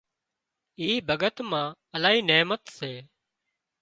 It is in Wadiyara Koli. اي ڀڳت مان الاهي نحمت هتي